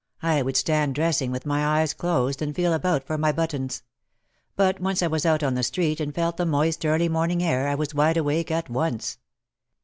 I would stand dressing with my eyes closed and feel about for my buttons. But once I was out on the street and felt the moist early morning air I was wide awake at once.